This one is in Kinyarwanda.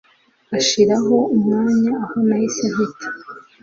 anshiraho umwanya aho nahise mpita